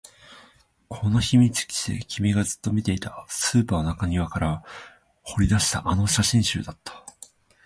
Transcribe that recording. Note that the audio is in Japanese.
この秘密基地で君がずっと見ていた、スーパーの中庭から掘り出したあの写真集だった